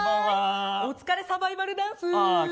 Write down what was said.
お疲れ、サバイバルダンス。